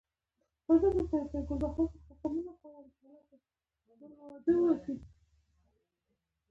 افغانستان د فاریاب د ترویج لپاره پروګرامونه لري.